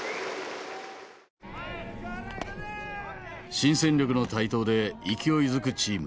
新戦力の台頭で勢いづくチーム。